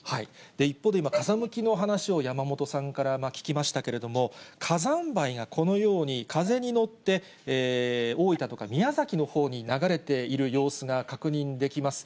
一方で今、風向きの話を山元さんから聞きましたけれども、火山灰がこのように風に乗って、大分とか宮崎のほうに流れている様子が確認できます。